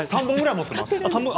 ３本ぐらい持ってます。